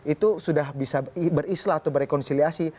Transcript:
itu sudah bisa berislah atau berkonsiliasi